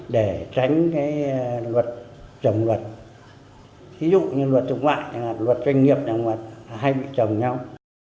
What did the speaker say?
để tránh cái luật trồng luật ví dụ như luật trùng ngoại luật doanh nghiệp hay bị trồng nhau